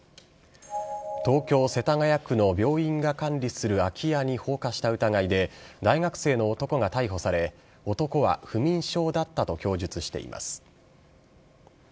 東京・世田谷区の病院が管理する空き家に放火した疑いで、大学生の男が逮捕され、男は不眠症だったと供述しています。